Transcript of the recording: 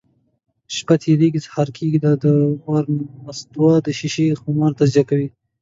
شپه تېرېږي، سهار کېږي. دا وار نستوه د شیشې خمار تجربه کوي: